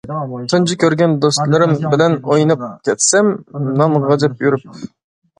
تۇنجى كۆرگەن دوستلىرىم بىلەن، ئويناپ كەتسەم نان غاجاپ يۈرۈپ.